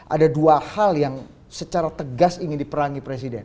ada dua hal yang secara tegas ingin diperangi presiden